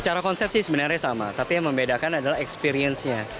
cara konsepsi sebenarnya sama tapi yang membedakan adalah experience nya